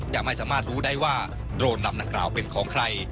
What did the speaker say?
จะไม่สามารถรู้ได้ว่าโรนนำหนังกราวเป็นของใคร